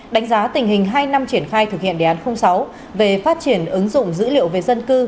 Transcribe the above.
đánh giá tình hình hai năm triển khai thực hiện đề án sáu về phát triển ứng dụng dữ liệu về dân cư